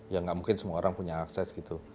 ya nggak mungkin semua orang punya akses gitu